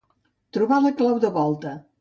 Trobar la clau de volta.